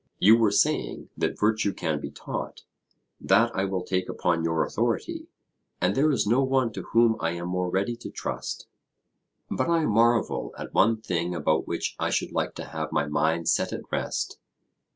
You were saying that virtue can be taught; that I will take upon your authority, and there is no one to whom I am more ready to trust. But I marvel at one thing about which I should like to have my mind set at rest.